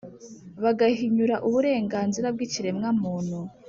bagahinyura uburenganzira bw’ikiremwamuntu